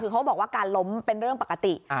คือเขาบอกว่าการล้มเป็นเรื่องปกติ